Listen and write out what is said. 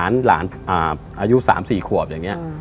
หลานอายุ๓๔ขวบอย่างนี้